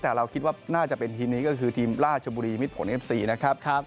แต่เราคิดว่าน่าจะเป็นทีมนี้ก็คือทีมราชบุรีมิดผลเอฟซีนะครับ